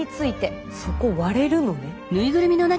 そこ割れるのね。